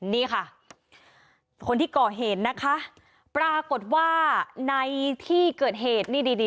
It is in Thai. นี่ค่ะคนที่ก่อเหตุนะคะปรากฏว่าในที่เกิดเหตุนี่